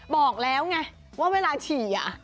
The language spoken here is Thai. บอกแล้วไงว่าเวลาฉี่